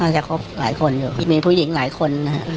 น่าจะครบหลายคนอยู่มีผู้หญิงหลายคน